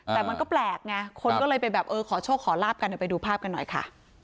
แต่มันก็แปลกไงคนก็เลยไปแบบเออขอโชคขอลาบกันเดี๋ยวไปดูภาพกันหน่อยค่ะ